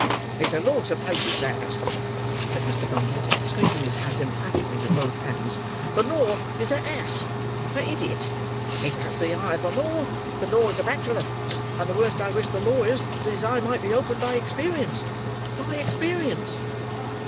"If the law supposes that," said Mr. Bumble, squeezing his hat emphatically in both hands, "the law is a ass—a idiot. If that's the eye of the law, the law is a bachelor; and the worst I wish the law is, that his eye may be opened by experience—by experience."